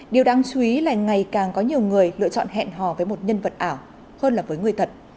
điều đáng chú ý là ngày càng có nhiều người lựa chọn hẹn hò với một nhân vật ảo hơn là với người thật